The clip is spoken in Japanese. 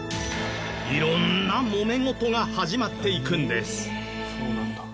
色んなもめ事が始まっていくんです。